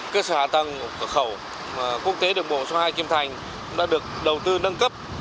cơ sở hạ tầng cửa khẩu quốc tế đường bộ số hai kim thành cũng đã được đầu tư nâng cấp